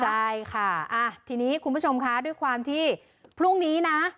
ใช่ค่ะทีนี้คุณผู้ชมคะด้วยความที่พรุ่งนี้นะ